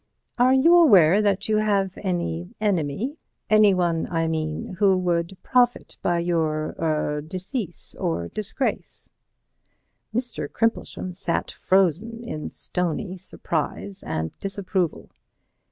Are you aware that you have any enemy—anyone, I mean, who would profit by your—er—decease or disgrace?" Mr. Crimplesham sat frozen into stony surprise and disapproval.